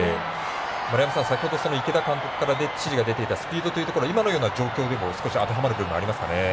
丸山さん、先ほど池田監督から指示が出ていたスピードというのは今の部分でも少し当てはまる部分がありますかね。